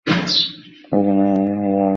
তখনই আমি হব স্বাধীন।